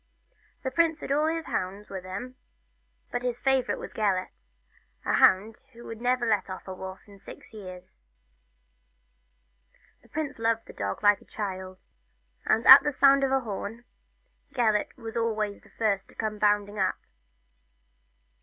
The prince had all his hounds with him, but his favourite was Gelert, a hound who had never let off a wolf for six years. c 2 2O The Story of Gelert. The prince loved the dog like a child, and at the sound of his horn Gelert was always the first to come bounding up.